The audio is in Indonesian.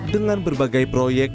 dengan berbagai proyek